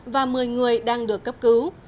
và một mươi người đang được cấp cứu